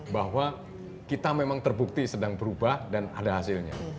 bahwa kita memang terbukti sedang berubah dan ada hasilnya